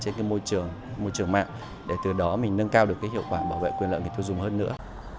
thực hiện giao dịch môi bán trên môi trường mạng để từ đó mình nâng cao được hiệu quả bảo vệ quyền lợi người tiêu dùng hơn nữa